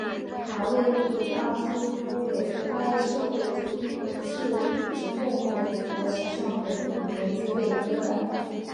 卡累利阿苏维埃社会主义自治共和国国旗上的文字被更改。